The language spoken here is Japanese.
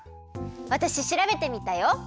わたししらべてみたよ！